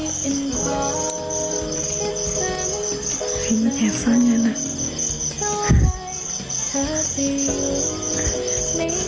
มันแอบสร้างเงินอะ